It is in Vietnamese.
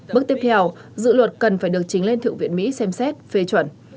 bước tiếp theo dự luật cần phải được chính lên thượng viện mỹ xem xét phê chuẩn